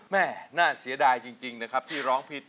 น่าเสียดายจริงนะครับที่ร้องผิด